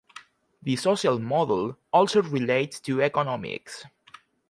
The social model also relates to economics.